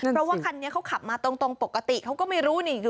เพราะว่าคันนี้เขาขับมาตรงปกติเขาก็ไม่รู้นี่อยู่